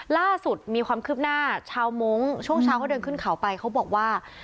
ล่าสุดมีความคืบหน้าชาวมงค์ช่วงเช้าเขาเดินขึ้นเขาไปเขาบอกว่า